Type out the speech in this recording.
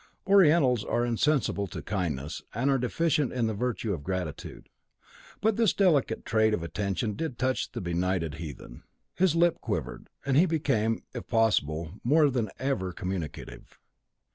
Orientals are insensible to kindness, and are deficient in the virtue of gratitude. But this delicate trait of attention did touch the benighted heathen. His lip quivered, and he became, if possible, more than ever communicative.